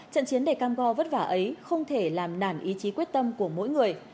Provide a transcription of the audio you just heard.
trận chiến đầy cam go vất vả ấy không thể làm nản ý chí quyết tâm của mỗi người